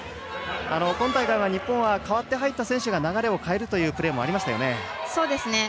今大会の日本は代わって入った選手が流れを変えるというプレーもありましたよね。